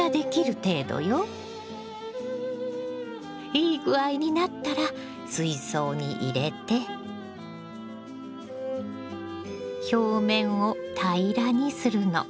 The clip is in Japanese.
いい具合になったら水槽に入れて表面を平らにするの。